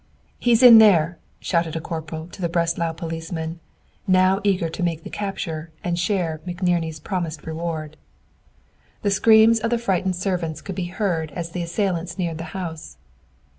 "He is in there!" shouted a corporal to the Breslau policeman, now eager to make the capture and share McNerney's promised reward. The screams of the frightened servants could be heard as the assailants neared the house.